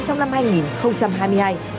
trong năm hai nghìn hai mươi hai